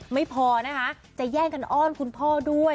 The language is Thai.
ไม่พอนะคะจะแย่งกันอ้อนคุณพ่อด้วย